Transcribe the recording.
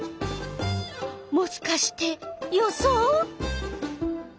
もしかして予想？